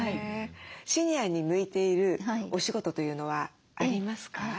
シニアに向いているお仕事というのはありますか？